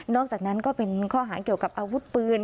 อกจากนั้นก็เป็นข้อหาเกี่ยวกับอาวุธปืน